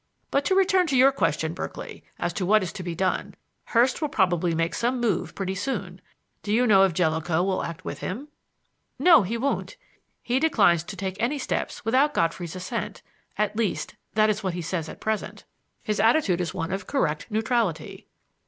But to return to your question, Berkeley, as to what is to be done. Hurst will probably make some move pretty soon. Do you know if Jellicoe will act with him?" "No, he won't. He declines to take any steps without Godfrey's assent at least, that is what he says at present. His attitude is one of correct neutrality."